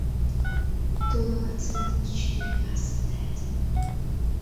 多尔特地区卡斯泰特。